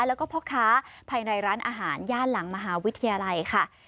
แล้วก็พ่อค้าภายในร้านอาหารย่านหลังมหาวิทยาลัยค่ะ